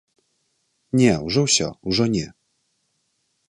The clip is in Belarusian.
Не, ужо ўсё, ужо не.